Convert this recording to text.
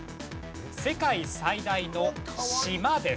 世界最大の島です。